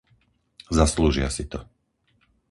Zaslúžia si to.